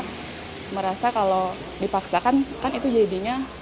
dan saya pribadi juga sebagai wanita merasa kalau dipaksakan kan itu jadi hal yang sangat penting